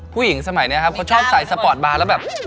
ผู้หญิงสมัยนี้ครับเขาชอบใส่สปอร์ตบาร์แล้วแบบ